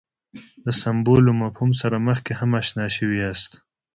د سمبول له مفهوم سره مخکې هم اشنا شوي یاست.